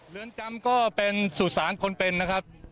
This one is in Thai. เรือนจำก็เป็นสุสานคนเป็นนะครับ